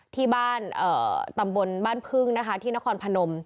ที่บ้านตำบลบ้านพึ่งนะคะที่นครพนม